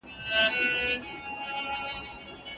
ترڅو د لوستونکو مربوط معلومات اضافه سي.